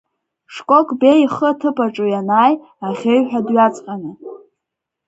Шкок Беи ихы аҭыԥ аҿы ианааи аӷьеиҩ ҳәа дҩаҵҟьаны…